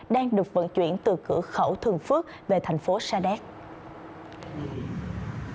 đang được vận chuyển từ cửa khẩu thường phước về tp sa đéc